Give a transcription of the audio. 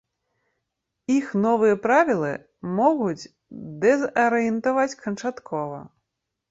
Іх новыя правілы могуць дэзарыентаваць канчаткова.